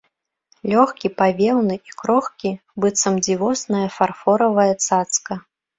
Лёгкі, павеўны і крохкі, быццам дзівосная фарфоравая цацка.